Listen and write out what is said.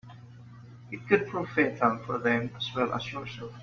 It could prove fatal for them as well as yourself.